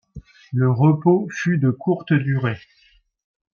Le repos fut de courte durée.